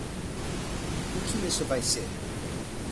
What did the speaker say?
O que isso vai ser?